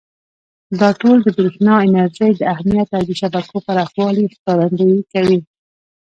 دا ټول د برېښنا انرژۍ د اهمیت او د شبکو پراخوالي ښکارندویي کوي.